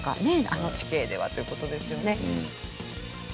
あの地形ではという事ですよね。